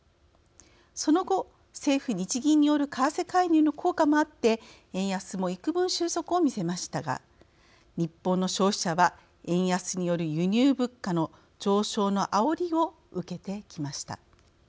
その後、政府日銀による為替介入の効果もあって円安もいくぶん収束を見せましたが日本の消費者は円安による輸入物価の上昇のあおりを受けてきました。